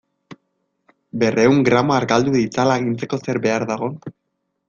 Berrehun gramo argaldu ditzala agintzeko zer behar dago?